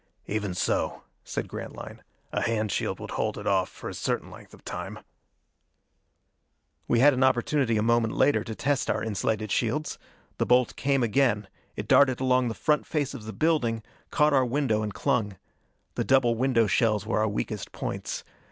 "Even so," said Grantline. "A hand shield would hold it off for a certain length of time." We had an opportunity a moment later to test our insulated shields. The bolt came again. It darted along the front face of the building, caught our window and clung. The double window shells were our weakest points.